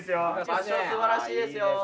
場所すばらしいですよ。